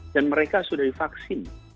dan mereka sudah divaksin